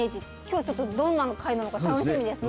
今日ちょっとどんな回なのか楽しみですね